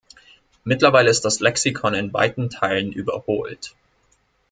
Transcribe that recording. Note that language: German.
Mittlerweile ist das Lexikon in weiten Teilen überholt.